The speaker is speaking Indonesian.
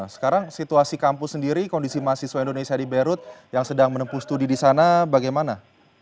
sekarang situasi kampus sendiri kondisi mahasiswa indonesia di beirut yang sedang menempuh studi di sana bagaimana